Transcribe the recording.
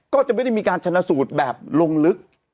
ก็จะไม่ได้มีการชนะสูตรแบบลงลึก